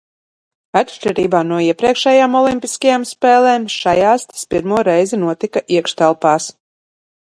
Atšķirībā no iepriekšējām olimpiskajām spēlēm šajās tas pirmo reizi notika iekštelpās.